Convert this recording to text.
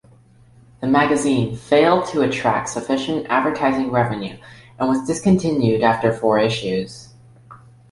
The magazine failed to attract sufficient advertising revenue and was discontinued after four issues.